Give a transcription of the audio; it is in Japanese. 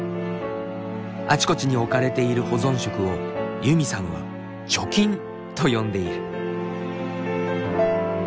あちこちに置かれている保存食をユミさんは「貯金」と呼んでいる。